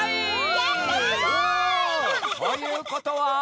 すごい！やった！ということは。